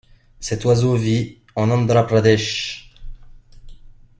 Cet oiseau vit en Andhra Pradesh.